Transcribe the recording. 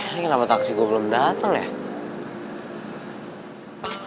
ini kenapa taksi gue belum datang ya